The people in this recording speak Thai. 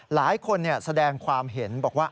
หลายคนแสดงความเห็นบอกว่า